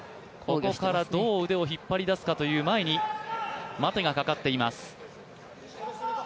ここから腕をどう引っ張り出すかという前に待てがかかっています。